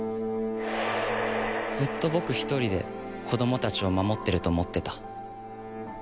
ずっと僕一人で子供たちを守ってると思ってた。